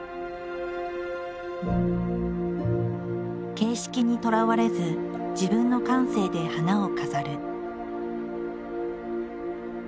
形式にとらわれず自分の感性で花を飾る。